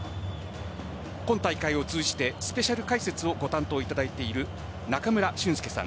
今大会を通じてスペシャル解説をご担当いただいている中村俊輔さん